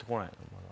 まだ。